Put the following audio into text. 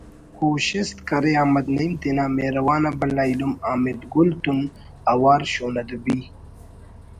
کوشست کرے احمد نعیم تینا مہروان آ بھلا ایلم حامد گل تون اوار شون ادبی